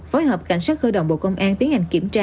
phối hợp cảnh sát cơ động bộ công an tiến hành kiểm tra